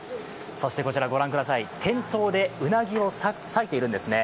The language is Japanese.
そしてこちら、ご覧ください、店頭でうなぎを裂いているんですね。